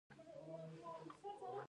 ایا زه چپس وخورم؟